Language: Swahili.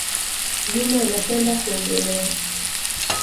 Juma anapenda kuogelea